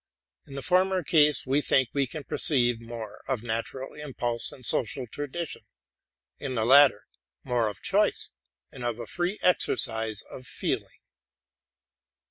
In the former case we think we can perceive more of natural impulse and social tradition; in the tatter, more of choice and of a free exercise of feeling.